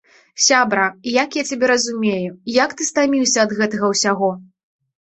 Сябра, як я цябе разумею, як ты стаміўся ад гэтага ўсяго!